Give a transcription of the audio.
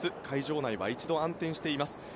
会場内は一度、暗転しています。